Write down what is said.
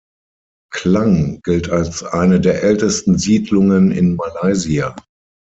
Klang gilt als eine der ältesten Siedlungen in Malaysia.